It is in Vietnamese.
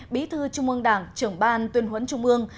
bí thư trung ương đảng trưởng ban tuyên huấn trung ương